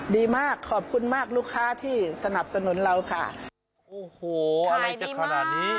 ดีมากขอบคุณมากลูกค้าที่สนับสนุนเราค่ะโอ้โหอะไรจะขนาดนี้